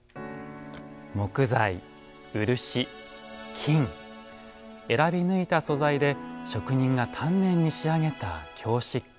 木材漆金選び抜いた素材で職人が丹念に仕上げた京漆器。